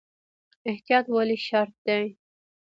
احتیاط ولې شرط دی؟